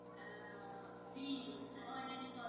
Musí stát na pevných základech s jasnými pravidly.